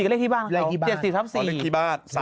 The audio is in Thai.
๗๐๔ก็เลขที่บ้านครับ